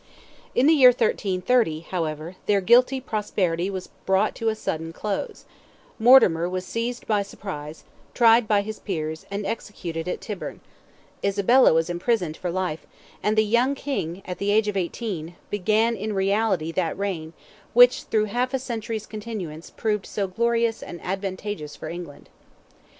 In the year 1330, however, their guilty prosperity was brought to a sudden close; Mortimer was seized by surprise, tried by his peers, and executed at Tyburn; Isabella was imprisoned for life, and the young King, at the age of eighteen, began in reality that reign, which, through half a century's continuance, proved so glorious and advantageous for England.